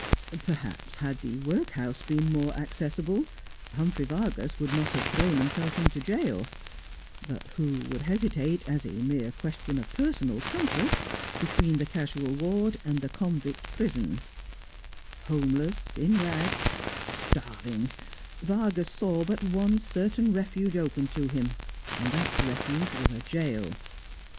Perhaps, had the workhouse been more accessible, Humphrey Vargas would not have thrown himself into jail ; but who would hesitate, as a mere question of personal comfort, between the casual ward and the convict prison 1 Homeless, in rags, starving, Vargas saw but one certain refuge open to him, and that refuge was a jail.